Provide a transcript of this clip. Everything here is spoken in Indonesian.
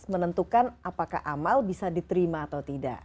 menentukan apakah amal bisa diterima atau tidak